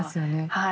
はい。